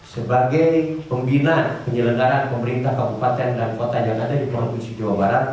sebagai pembina penyelenggaran pemerintah kabupaten dan kota yang ada di provinsi jawa barat